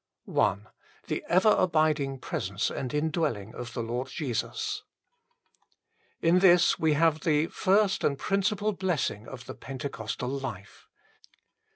I The ever abiding presence and indwelling of the Lord Jesus. In this we have the first and principal blessing of the Pentecostal life.